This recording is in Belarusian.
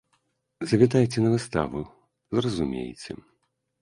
Завітайце на выставу, зразумееце.